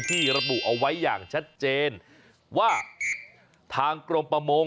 ระบุเอาไว้อย่างชัดเจนว่าทางกรมประมง